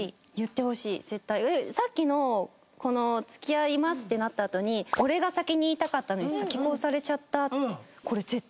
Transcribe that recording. さっきの付き合いますってなったあとに「俺が先に言いたかったのに先越されちゃった」。